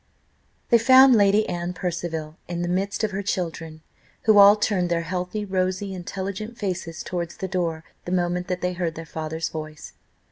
They found Lady Anne Percival in the midst of her children, who all turned their healthy, rosy, intelligent faces towards the door, the moment that they heard their father's voice.